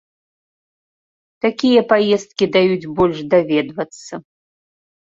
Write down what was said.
Такія паездкі даюць больш даведвацца.